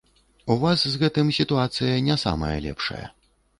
У вас з гэтым сітуацыя не самая лепшая.